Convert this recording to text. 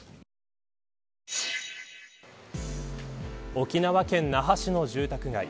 沖縄県那覇市の住宅街。